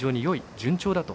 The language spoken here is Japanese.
順調だと。